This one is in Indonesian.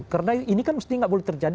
karena ini kan mesti nggak boleh terjadi